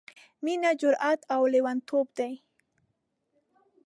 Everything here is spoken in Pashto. — مينه جرات او لېوانتوب دی...